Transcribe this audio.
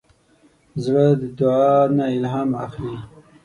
زړه د دعا نه الهام اخلي.